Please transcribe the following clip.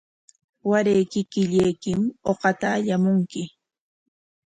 Waray kikillaykim uqata allamunki.